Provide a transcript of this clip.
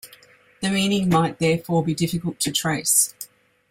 The meaning might therefore be difficult to trace.